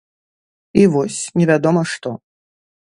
І вось, невядома што.